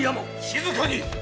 静かに！